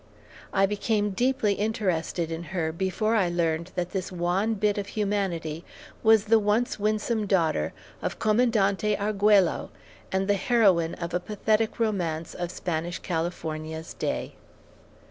I became deeply interested in her before I learned that this wan bit of humanity was the once winsome daughter of Commandante Arguello, and the heroine of a pathetic romance of Spanish California's day.